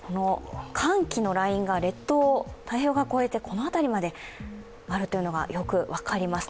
寒気のラインが殺到、太平洋側を越えてこの辺りまであるのが分かります。